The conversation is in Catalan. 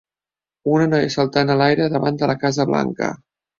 Una noia saltant a l'aire davant de la Casa Blanca.